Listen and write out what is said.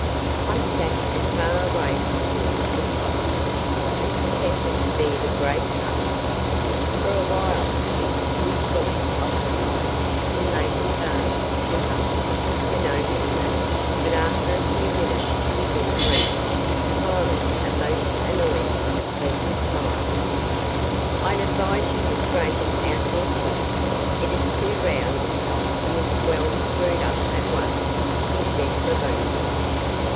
I sat as far away from him as possible, and pretended to be in a great huff. For a while he was too fully occupied in making Barney "sit up" to notice me, but after a few minutes he looked round, smiling a most annoying and pleasant smile. "I'd advise you to straighten out your chin. It is too round and soft to look well screwed up that way," he said provokingly.